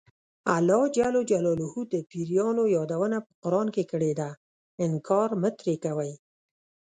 الله ج د پیریانو یادونه په قران کې کړې ده انکار مه ترې کوئ.